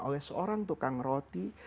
oleh seorang tukang roti